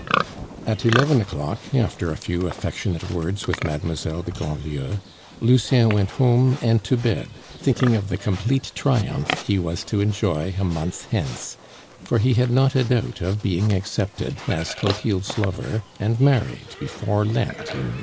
At eleven o'clock, after a few affectionate words with Mademoiselle de Grandlieu, Lucien went home and to bed, thinking of the complete triumph he was to enjoy a month hence; for he had not a doubt of being accepted as Clotilde's lover, and married before Lent in 1830.